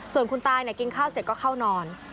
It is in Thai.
ส่วนคนตายกินข้าวเสร็จก็เข้านอน